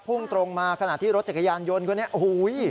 พุ่งตรงมาขณะที่รถจักรยานยนต์คนนี้โอ้โห